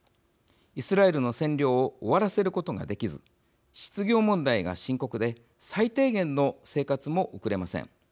イスラエルの占領を終わらせることができず失業問題が深刻で最低限の生活も送れません。